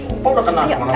opa udah kena